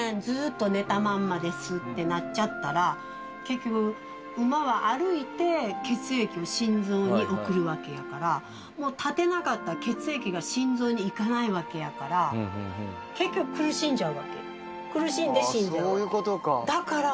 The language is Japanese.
ずっと寝たまんまですってなっちゃったら結局馬は歩いて血液を心臓に送るわけやからもう立てなかったら血液が心臓に行かないわけやから結局苦しんじゃうわけ苦しんで死んじゃうわけ。